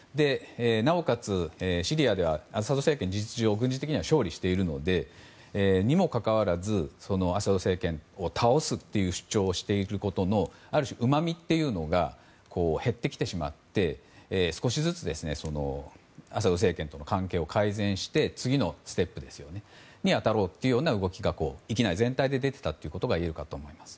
なおかつ、シリアではアサド政権は事実上軍事的には勝利していますがにもかかわらずアサド政権を倒すという主張をしていることのある種、うまみというのが減ってきてしまって少しずつアサド政権との関係を改善して次のステップに当たろうという動きが全体で出ていたといえると思います。